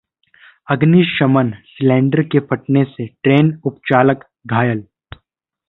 अग्निशमन सिलेंडर के फटने से ट्रेन उपचालक घायल